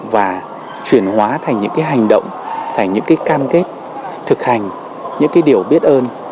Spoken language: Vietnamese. và chuyển hóa thành những cái hành động thành những cái cam kết thực hành những cái điều biết ơn